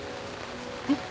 えっ？